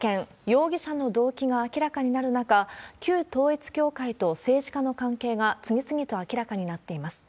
容疑者の動機が明らかになる中、旧統一教会と政治家の関係が次々と明らかになっています。